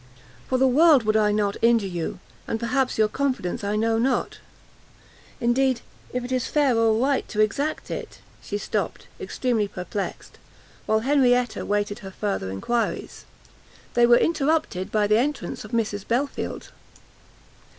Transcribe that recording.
For the world would I not injure you, and perhaps your confidence I know not, indeed, if it is fair or right to exact it " she stopt, extremely perplext, and while Henrietta waited her further enquiries, they were interrupted by the entrance of Mrs Belfield.